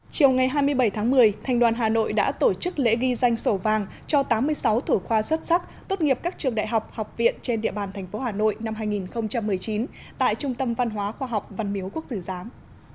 chiều ngày hai mươi bảy tháng một mươi thành đoàn hà nội đã tổ chức lễ ghi danh sổ vàng cho tám mươi sáu thủ khoa xuất sắc tốt nghiệp các trường đại học học viện trên địa bàn tp hà nội năm hai nghìn một mươi chín tại trung tâm văn hóa khoa học văn miếu quốc tử giám